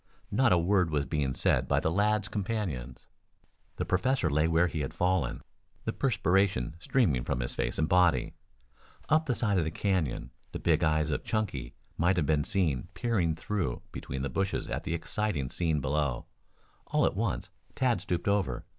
Not a word was being said by the lad's companions. The professor lay where he had fallen, the perspiration streaming from his face and body up the side of the canyon the big eyes of Chunky might have been seen peering through between the bushes at the exciting scene below. All at once Tad stooped over.